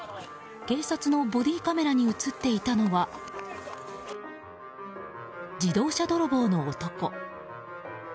警察のボディーカメラに映っていたのは自動車泥棒の男。